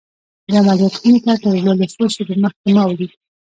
د عملیات خونې ته تر وړلو څو شېبې مخکې ما ولید